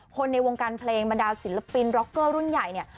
ในวงการเพลงบรรดาศิลปินร็อกเกอร์รุ่นใหญ่เนี่ย